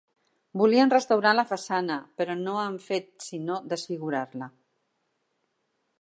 Volien restaurar la façana, però no han fet sinó desfigurar-la.